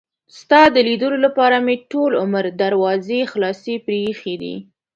ستا د لیدلو لپاره مې ټول عمر دروازې خلاصې پرې ایښي دي.